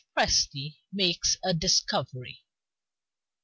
Presty Makes a Discovery.